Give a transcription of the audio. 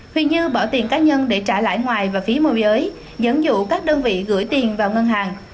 huỳnh như bỏ tiền cá nhân để trả lãi ngoài và phí môi giới dẫn dụ các đơn vị gửi tiền vào ngân hàng